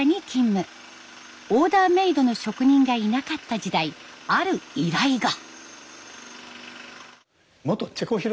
オーダーメイドの職人がいなかった時代ある依頼が。